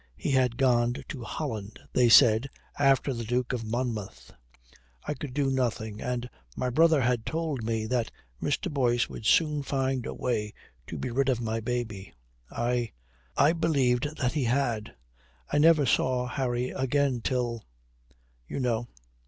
He had gone to Holland, they said, after the Duke of Monmouth. I could do nothing. And my brother had told me that Mr. Boyce would soon find a way to be rid of my baby. I I believed that he had. I never saw Harry again till you know.